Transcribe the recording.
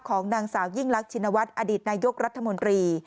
ของนางสาวยิ่งรักชินวัฒน์อดีตนายกรัฐมนตรี